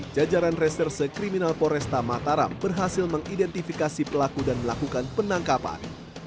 jajaran reserse kriminal poresta mataram berhasil mengidentifikasi pelaku dan melakukan penangkapan